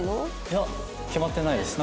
いや決まってないです。